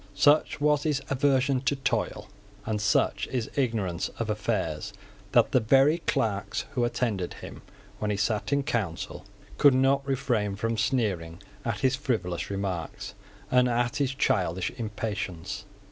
Such was his aversion to toil, and such his ignorance of affairs, that the very clerks who attended him when he sate in council could not refrain from sneering at his frivolous remarks, and at his childish impatience.